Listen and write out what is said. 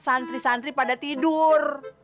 santri santri pada tidur